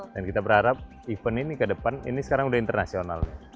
dan kita berharap event ini ke depan ini sekarang udah internasional